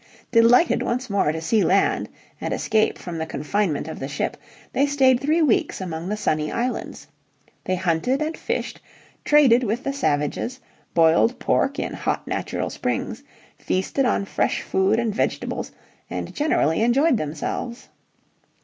Delighted once more to see land and escape from the confinement of the ship, they stayed three weeks among the sunny islands. They hunted and fished, traded with the savages, boiled pork in hot natural springs, feasted on fresh food and vegetables, and generally enjoyed themselves.